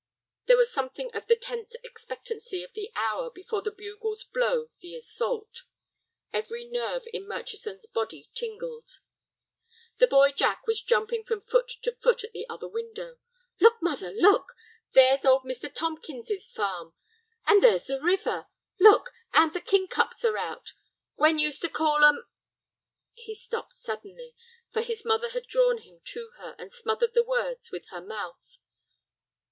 There was something of the tense expectancy of the hour before the bugles blow the assault. Every nerve in Murchison's body tingled. The boy Jack was jumping from foot to foot at the other window. "Look, mother, look, there's old Mr. Tomkin's farm! And there's the river. Look—and the kingcups are out! Gwen used to call 'em—" He stopped suddenly, for his mother had drawn him to her and smothered the words with her mouth.